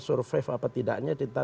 survive apa tidaknya